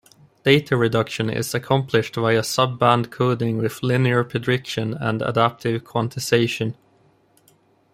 Data reduction is accomplished via sub-band coding with linear prediction and adaptive quantization.